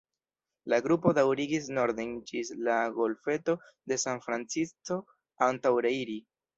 La grupo daŭrigis norden ĝis la golfeto de San Francisco antaŭ reiri.